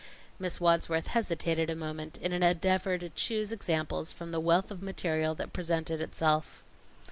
Miss Wadsworth hesitated a moment in an endeavor to choose examples from the wealth of material that presented itself.